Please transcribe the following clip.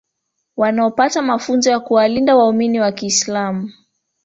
wanaopata mafunzo ya kuwalinda waumini wa kiislamu